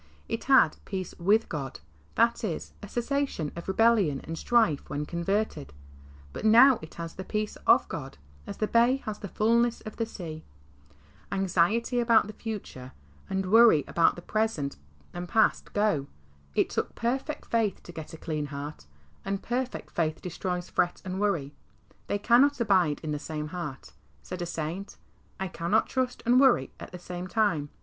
'^ It had "peace with God" — that is, a cessation of re bellion and strife — when converted, but now it has the "peace of God," as the bay has the fulness of the sea. Anxiety about the future, and worry about the present and past go. It took perfect faith to get a clean heart, and perfect faith destroys fret and worry. They cannot abide in the same heart. Said a saint, " I cannot trust and worry at the same time."